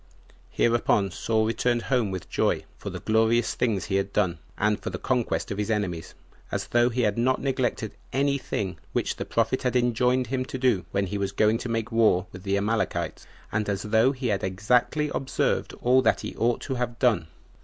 4. Hereupon Saul returned home with joy, for the glorious things he had done, and for the conquest of his enemies, as though he had not neglected any thing which the prophet had enjoined him to do when he was going to make war with the Amalekites, and as though he had exactly observed all that he ought to have done.